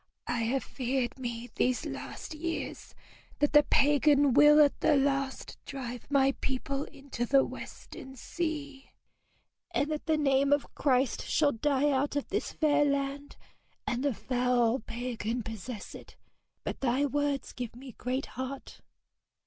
'I have feared me these last years that the pagan will at the last drive my people into the western sea, and that the name of Christ shall die out of this fair land, and the foul pagan possess it. But thy words give me great heart.'